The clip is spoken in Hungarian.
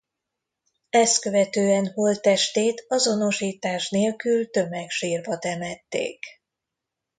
Ezt követően holttestét azonosítás nélkül tömegsírba temették.